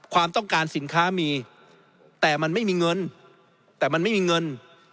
ความต้องการสินค้ามีแต่มันไม่มีเงินแต่มันไม่มีเงิน